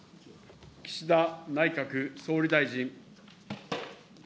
岸田内閣総理大臣。